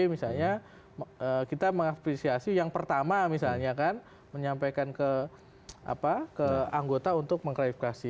misalnya kita mengapresiasi yang pertama misalnya kan menyampaikan ke anggota untuk mengklarifikasi